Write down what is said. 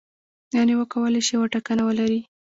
یعنې وکولای شي یوه ټاکنه ولري.